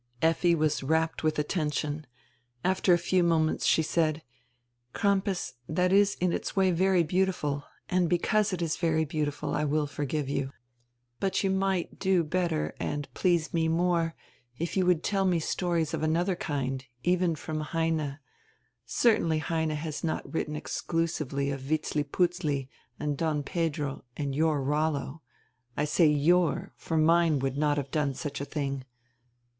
Effi was rapt with attention. After a few moments she said: "Crampas, diat is in its way very beautiful, and because it is very beautiful I will forgive you. But you might do better, and please me more, if you would tell stories of anotiier kind, even from Heine. Certainly Heine has not written exclusively of Vitzliputzli and Don Pedro and your Rollo. I say your, for mine would not have done such a thing.